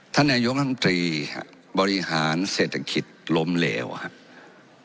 ท่านนายกรัฐมนตรีบริหารเศรษฐกิจล้มเหลวครับ